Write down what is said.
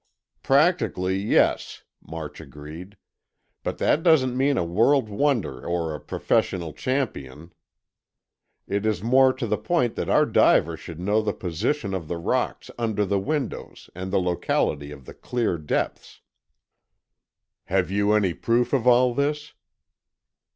"Practically, yes," March agreed. "But that doesn't mean a world wonder or a professional champion. It is more to the point that our diver should know the position of the rocks under the windows and the locality of the clear depths." "Have you any proof of all this?"